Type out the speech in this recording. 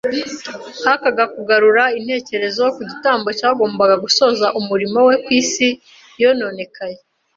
hakaga kugarura intekerezo ku gitambo cyagombaga gusoza umurimo we ku isi yononekaye